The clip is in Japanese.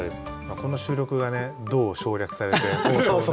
この収録がねどう省略されて放送。